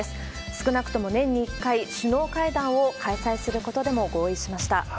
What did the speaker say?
少なくとも年に１回、首脳会談を開催することでも合意しました。